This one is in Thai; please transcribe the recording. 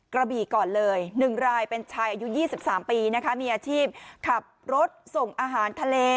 กระบี่ก่อนเลย๑รายเป็นชายอายุ๒๓ปีนะคะมีอาชีพขับรถส่งอาหารทะเล